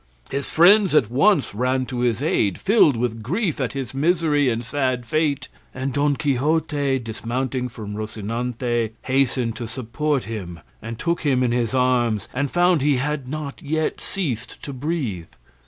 His friends at once ran to his aid, filled with grief at his misery and sad fate, and Don Quixote, dismounting from Rocinante, hastened to support him, and took him in his arms, and found he had not yet ceased to breathe.